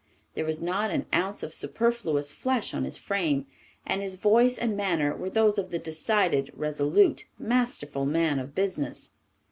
There was not an ounce of superfluous flesh on his frame, and his voice and manner were those of the decided, resolute, masterful man of business.